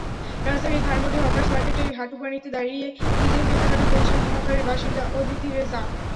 রাজধানীর ধানমন্ডি হকার্স মার্কেটে হাঁটুপানিতে দাঁড়িয়ে ঈদের কেনাকাটা করছিলেন মহাখালীর বাসিন্দা অদিতি রেজা।